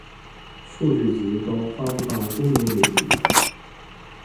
数据集都发布到公有领域。